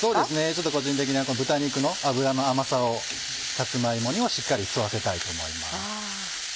ちょっと個人的には豚肉の脂の甘さをさつま芋にもしっかり吸わせたいと思います。